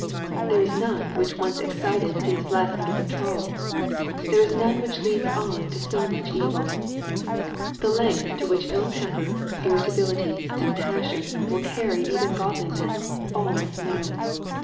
There is none which once excited seems less under control. There is none which leads on to so much evil. The length to which ill temper, irritability, and passion, will carry even godly men, all must know.